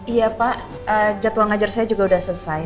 iya pak jadwal ngajar saya juga sudah selesai